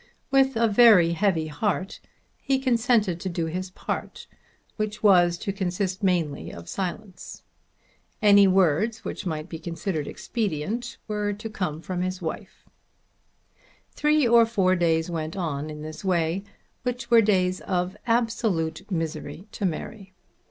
With a very heavy heart he consented to do his part, which was to consist mainly of silence. Any words which might be considered expedient were to come from his wife. Three or four days went on in this way, which were days of absolute misery to Mary.